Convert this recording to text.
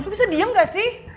lo bisa diem gak sih